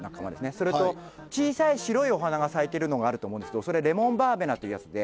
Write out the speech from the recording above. それと小さい白いお花が咲いてるのがあると思うんですけどそれレモンバーベナというやつで。